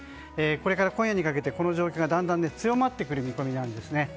これから今夜にかけてこの状況がだんだん強まってくる見込みです。